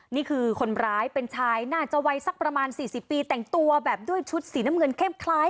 นี่คือคนร้ายเป็นชายน่าจะวัยสักประมาณ๔๐ปีแต่งตัวแบบด้วยชุดสีน้ำเงินเข้มคล้าย